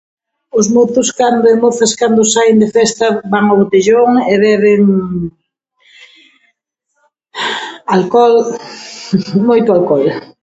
Os mozos cando e mozas cando saen de festa van ao botellón e beben alcohol, moito alcohol.